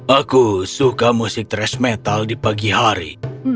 aku suka musik tresh metal di pagi hari